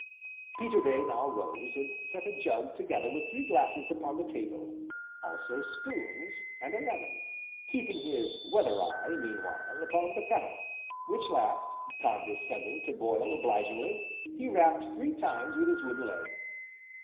Peterday now rose, and set a jug together with three glasses upon the table, also spoons, and a lemon, keeping his "weather eye" meanwhile, upon the kettle, which last, condescending to boil obligingly, he rapped three times with his wooden leg.